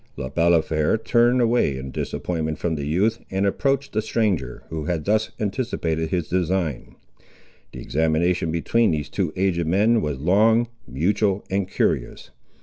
Le Balafré turned away in disappointment from the youth, and approached the stranger, who had thus anticipated his design. The examination between these two aged men was long, mutual, and curious.